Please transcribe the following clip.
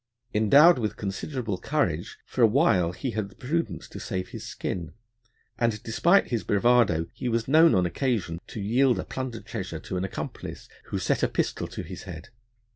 Endowed with considerable courage, for a while he had the prudence to save his skin, and despite his bravado he was known on occasion to yield a plundered treasure to an accomplice who set a pistol to his head.